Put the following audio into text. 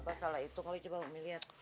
apa salah itu kali coba om mi lihat